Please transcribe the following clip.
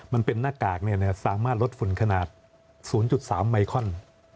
มันเป็นหน้ากากสามารถลดฝุ่นขนาด๐๓ไมคอน